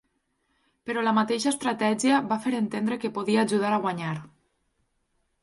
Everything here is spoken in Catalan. Però la mateixa estratègia va fer entendre que podia ajudar a guanyar.